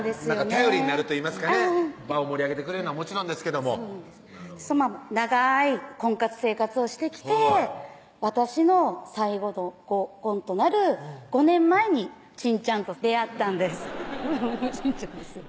頼りになるといいますかね場を盛り上げてくれるのはもちろんですけども長い婚活生活をしてきて私の最後の合コンとなる５年前にちんちゃんと出会ったんですちんちゃんです